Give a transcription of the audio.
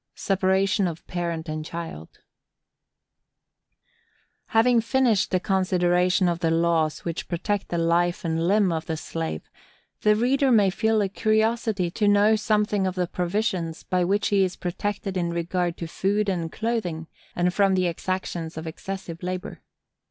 —Separation of Parent and Child. [Sidenote: Wheeler, p. 220. State v. Sue, Cameron & Norwood's C. Rep. 54.] Having finished the consideration of the laws which protect the life and limb of the slave, the reader may feel a curiosity to know something of the provisions by which he is protected in regard to food and clothing, and from the exactions of excessive labor.